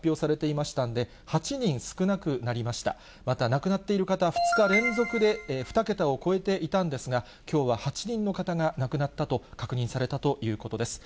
また亡くなっている方、２日連続で２桁を超えていたんですが、きょうは８人の方が亡くなったと確認されたということです。